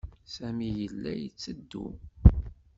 Sami yella yetteddu.